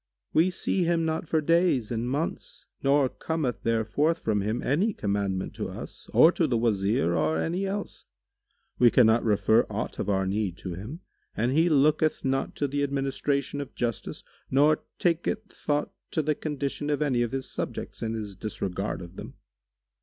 We see him not for days and months nor cometh there forth from him any commandment to us or to the Wazir or any else. We cannot refer aught of our need to him and he looketh not to the administration of justice nor taketh thought to the condition of any of his subjects, in his disregard of them.